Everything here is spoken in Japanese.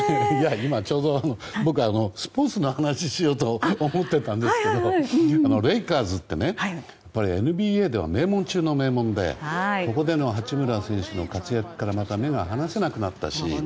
今、ちょうど僕スポーツの話しようと思ってたんですけどレイカーズってＮＢＡでは名門中の名門でここでの八村選手の活躍からまた目が離せなくなったし。